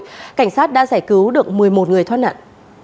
cảnh sát đã giải cứu được một mươi một người thoát nạn